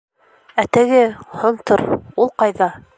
Ә теге... һонтор... ул ҡайҙа?